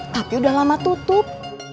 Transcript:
tapi udah lama tutup